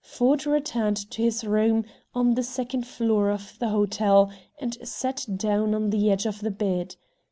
Ford returned to his room, on the second floor of the hotel, and sat down on the edge of the bed.